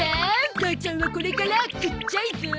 母ちゃんはこれからくっちゃいゾ。